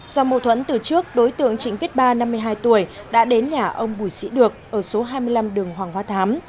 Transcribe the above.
do mâu thuẫn từ trước đối tượng trịnh viết ba năm mươi hai tuổi đã đến nhà ông bùi sĩ được ở số hai mươi năm đường hoàng hóa thám